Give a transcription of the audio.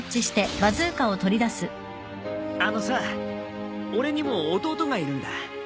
あのさ俺にも弟がいるんだ。